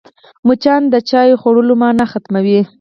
مچان د چايو خوړلو مانا ختموي